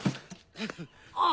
あっ！